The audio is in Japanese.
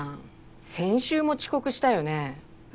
先週も遅刻したよね？